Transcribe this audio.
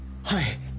はい。